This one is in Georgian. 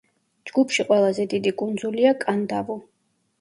ჯგუფში ყველაზე დიდი კუნძულია კანდავუ.